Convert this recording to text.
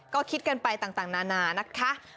ก็คิดกันไปต่างนานานะคะ